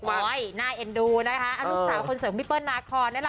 เซ็กซี่ริมหานะ